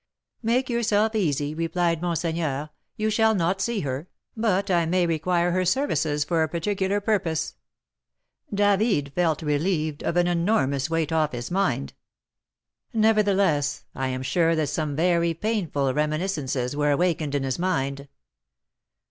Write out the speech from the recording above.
'Make yourself easy,' replied monseigneur; 'you shall not see her, but I may require her services for a particular purpose.' David felt relieved of an enormous weight off his mind. Nevertheless, I am sure that some very painful reminiscences were awakened in his mind."